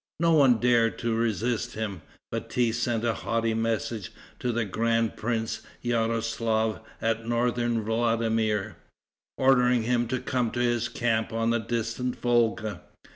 No one dared to resist him. Bati sent a haughty message to the Grand Prince Yaroslaf at northern Vladimir, ordering him to come to his camp on the distant Volga.